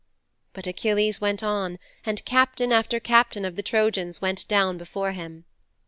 "' 'But Achilles went on, and captain after captain of the Trojans went down before him.